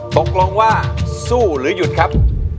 ตกลงว่าสู้หรือหยุดครับ